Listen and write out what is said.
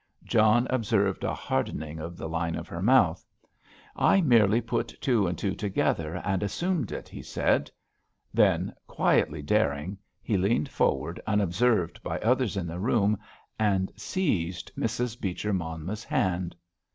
John observed a hardening of the line of her mouth. "I merely put two and two together and assumed it," he said. Then, quietly daring, he leaned forward, unobserved by others in the room, and seized Mrs. Beecher Monmouth's hand.